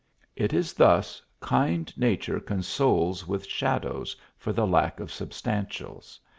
It is thus kind nature consoles with shadows for the lack of substantials.